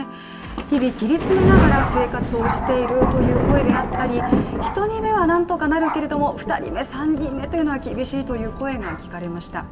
日々切り詰めながら生活をしているという声であったり、１人目はなんとかなるけども、２人目３人目は厳しいという声が聞かれました。